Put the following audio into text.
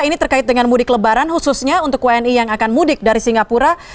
ini terkait dengan mudik lebaran khususnya untuk wni yang akan mudik dari singapura